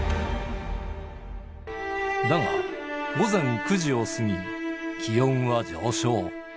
だが、午前９時を過ぎ、気温は上昇。